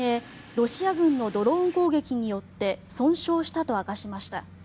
ロシア軍のドローン攻撃によって損傷したと明かしました。